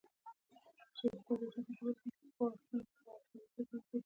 ګټه اخیستونکي ترې ښه ګټه واخلي.